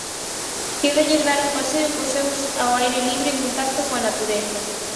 Quédalles dar un paseo cos seus ao aire libre, en contacto coa natureza.